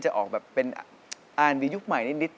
ออกแบบเป็นอาร์มียุคใหม่นิด